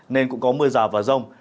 nên cũng có mưa rào và rông